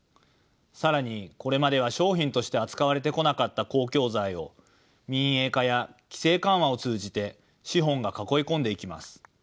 更にこれまでは商品として扱われてこなかった公共財を民営化や規制緩和を通じて資本が囲い込んでいきます。